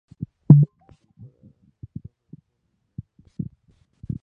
La temporada de desove ocurre entre abril y mayo.